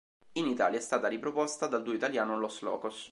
In Italia è stata riproposta dal duo italiano Los Locos.